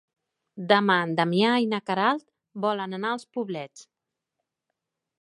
Demà en Damià i na Queralt volen anar als Poblets.